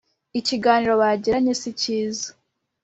Ikiganiro bagiranye si cyiza.